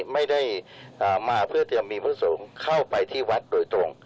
ไม่ได้มาเพื่อเตรียมมีพระสงฆ์เข้าไปที่วัดโดยตรง